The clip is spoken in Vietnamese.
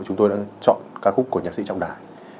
chúng tôi đã chọn ca khúc của nhạc sĩ trọng đại